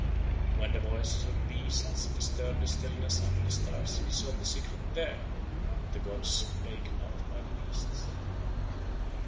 When the voices of the beasts disturbed the stillness under the stars he sought the secret there, but the gods spake not by the beasts.